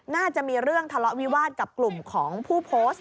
น่าจะมีเรื่องทะเลาะวิวาสกับกลุ่มของผู้โพสต์